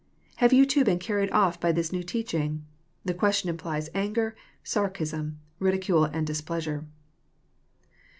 Have you too been carried off by this new teaching? The question implies anger, sarcasm, ridicule, and displeasure.